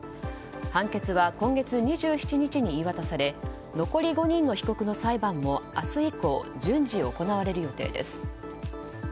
判決は今月２７日に言い渡され残り５人の被告の裁判も明日以降、順次行われる予定です。